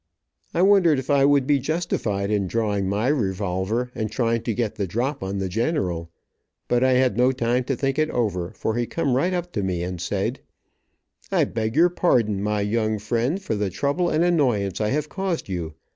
I wondered if I would be justified in drawing my revolver and trying to get the drop on the general. But I had no time to think it over, for he come right up to me, and said: "I beg your pardon, my young friend, for the trouble and annoyance I have caused you.